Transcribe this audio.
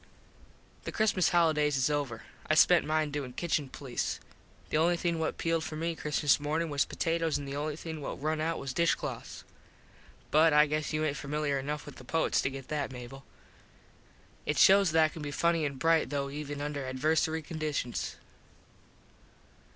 The Christmas holidays is over. I spent mine doin Kitchen police. The only thing what pealed for me Christmas morning was potatoes an the only thing what rung out was dish cloths. But I guess you aint familiar enough with the poets to get that, Mable. It shows that I can be funny an bright though even under adversary conditions.